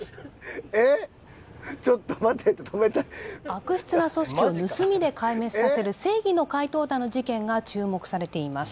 「ちょっと待て」って止めたい悪質な組織を盗みで壊滅させる正義の怪盗団の事件が注目されています